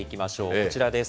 こちらです。